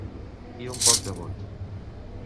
I un poc de vot.